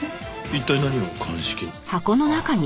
一体何を鑑識に。